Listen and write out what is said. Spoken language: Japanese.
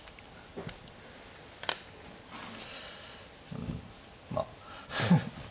うんまあ。